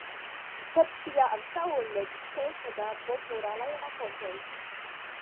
Sed ŝi ja antaŭe legis kelke da bonmoralaj rakontoj.